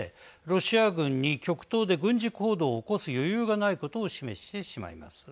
ロシア軍に極東で軍事行動を起こす余裕がないことを示してしまいます。